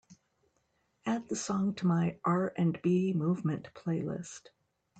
Add the song to my R&B Movement playlist.